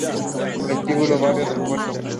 Vestíbulo Barrio del Puerto